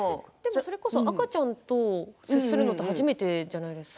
赤ちゃんと接するのは初めてじゃないですか？